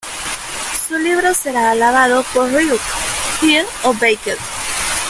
Su libro será alabado por Rilke, Gide o Beckett.